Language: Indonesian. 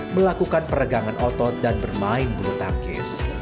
melakukan peregangan otot dan bermain bulu tangkis